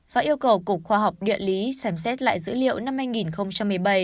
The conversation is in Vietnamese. và yêu cầu cục khoa học địa lý xem xét lại dữ liệu năm hai nghìn một mươi bảy